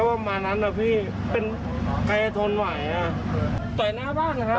ก็ว่ามานั้นแหละพี่เป็นใครทนไหวต่อยหน้าบ้านนะครับ